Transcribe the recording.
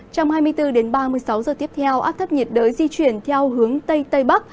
trong hai mươi bốn đến ba mươi sáu giờ tiếp theo áp thấp nhiệt đới di chuyển theo hướng tây tây bắc